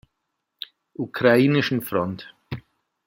Ukrainischen Front.